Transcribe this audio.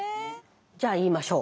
じゃあ言いましょう。